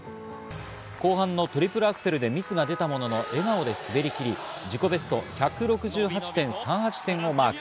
後半のトリプルアクセルでミスが出たものの笑顔で滑りきり、自己ベスト１６８．３８点をマーク。